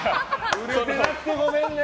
売れてなくてごめんね！